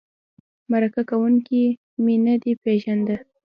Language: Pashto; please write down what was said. مرکه کوونکی مې نه پېژنده.